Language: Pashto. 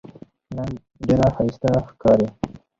نن ډېره ښایسته ښکارې